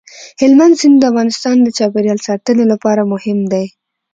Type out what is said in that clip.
هلمند سیند د افغانستان د چاپیریال ساتنې لپاره مهم دی.